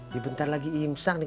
ya bentar lagi imsak nih